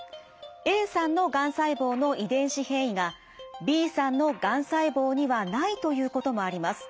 Ａさんのがん細胞の遺伝子変異がＢさんのがん細胞にはないということもあります。